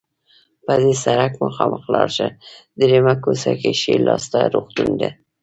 په دې سړک مخامخ لاړ شه، دریمه کوڅه کې ښي لاس ته روغتون ده.